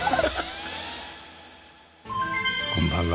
こんばんは。